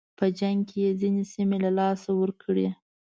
په جنګ کې یې ځینې سیمې له لاسه ورکړې.